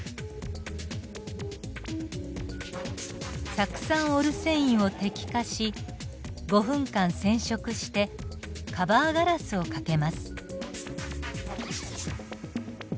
酢酸オルセインを滴下し５分間染色してカバーガラスをかけます。